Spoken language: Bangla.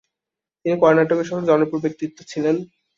তিনি কর্নাটকের সবচেয়ে জনপ্রিয় ব্যক্তিত্ব ছিলেন।